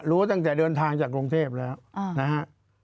รู้ตั้งแต่เดินทางจากกรุงเทพแล้วนะฮะ